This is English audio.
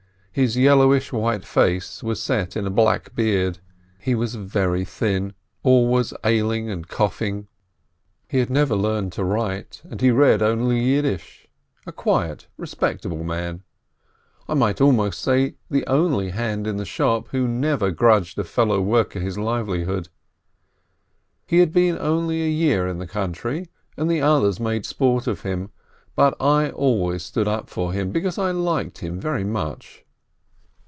His yellowish white face was set in a black beard; he was very thin, always ailing and coughing, had never learnt to write, 368 S. LIBIN and he read only Yiddish — a quiet, respectable man, I might almost say the only hand in the shop who never grudged a fellow worker his livelihood. He had been only a year in the country, and the others made sport of him, but I always stood up for him, because I liked him very much.